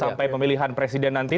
sampai pemilihan presiden nanti